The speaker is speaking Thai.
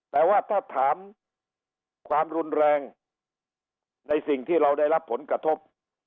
แต่ว่าถ้าถามความรุนแรงในสิ่งที่เราได้รับผลกระทบ